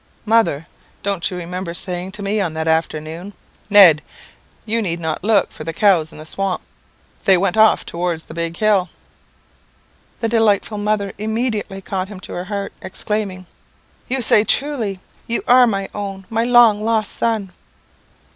"'Mother, don't you remember saying to me on that afternoon, Ned, you need not look for the cows in the swamp, they went off towards the big hill!' "The delighted mother immediately caught him to her heart, exclaiming, 'You say truly, you are my own, my long lost son!'"